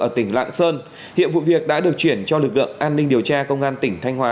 ở tỉnh lạng sơn hiện vụ việc đã được chuyển cho lực lượng an ninh điều tra công an tỉnh thanh hóa